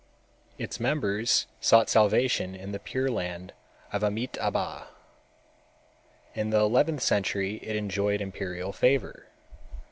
Its members sought salvation in the Pure Land of Amitabha. In the eleventh century it enjoyed imperial favor.